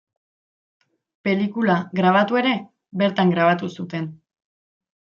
Pelikula grabatu ere bertan grabatu zuten.